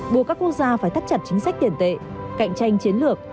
buộc các quốc gia phải thắt chặt chính sách tiền tệ cạnh tranh chiến lược